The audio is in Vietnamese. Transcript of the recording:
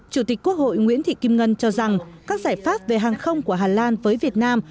chủ tịch quốc hội nguyễn thị kim ngân cho rằng các giải pháp về hàng không của hà lan với việt nam